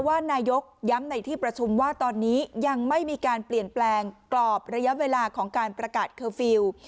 นายกย้ำในที่ประชุมว่าตอนนี้ยังไม่มีการเปลี่ยนแปลงกรอบระยะเวลาของการประกาศเคอร์ฟิลล์